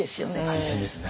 大変ですね